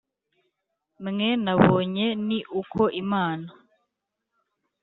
Mwe nabonye ni uko imana